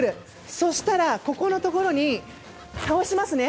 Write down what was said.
そしたら、ここのところに倒しますね。